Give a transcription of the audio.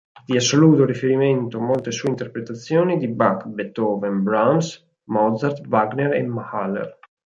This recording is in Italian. Di assoluto riferimento molte sue interpretazioni di Bach, Beethoven, Brahms, Mozart, Wagner e Mahler.